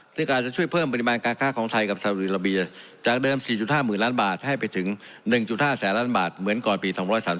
ซึ่งการจะช่วยเพิ่มปริมาณการค้าของไทยกับสาวดีลาเบียจากเดิม๔๕๐๐๐ล้านบาทให้ไปถึง๑๕แสนล้านบาทเหมือนก่อนปี๒๓๓